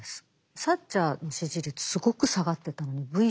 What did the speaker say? サッチャーの支持率すごく下がってたのにＶ字回復。